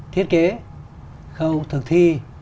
thiết kế khâu thực thi